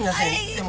でも。